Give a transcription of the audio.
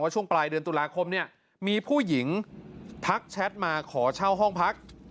ช่วงปลายเดือนตุลาคมเนี่ยมีผู้หญิงทักแชทมาขอเช่าห้องพัก